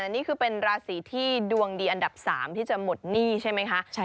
นี่คือเป็นราศีที่ดวงดีอันดับ๓ที่จะหมดหนี้ใช่ไหมคะ